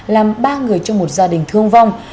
làm ba người trong một gia đình thương vong